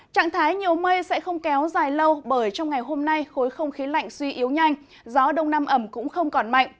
trạng thái nhiều mây sẽ không kéo dài lâu bởi trong ngày hôm nay khối không khí lạnh suy yếu nhanh gió đông nam ẩm cũng không còn mạnh